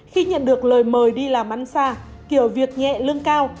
khi nhận được lời mời đi làm ăn xa kiểu việc nhẹ lương cao